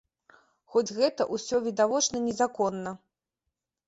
Хоць гэта ўсё відавочна незаконна.